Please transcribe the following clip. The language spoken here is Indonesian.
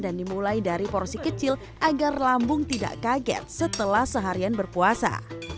dan dimulai dari porsi kecil agar lambung tidak kaget setelah seharian berpuasa